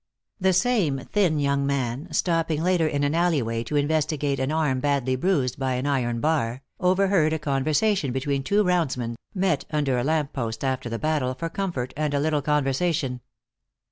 The same thin young man, stopping later in an alley way to investigate an arm badly bruised by an iron bar, overheard a conversation between two roundsmen, met under a lamppost after the battle, for comfort and a little conversation.